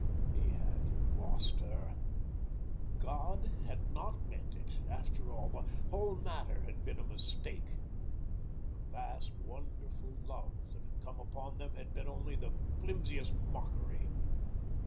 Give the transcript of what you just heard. He had lost her. God had not meant it, after all. The whole matter had been a mistake. That vast, wonderful love that had come upon them had been only the flimsiest mockery.